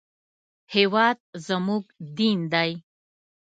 هېواد زموږ دین دی